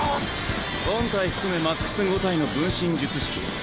本体含めマックス５体の分身術式。